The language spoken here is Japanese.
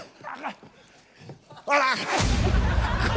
ほら！